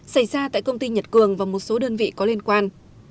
xảy ra tại công ty nhật cường và một số đơn vị có liên quan